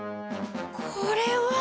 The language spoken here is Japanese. これは。